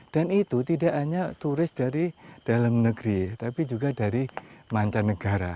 dan itu tidak hanya turis dari dalam negeri tapi juga dari mancanegara